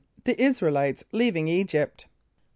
The Israelites Leaving Egypt.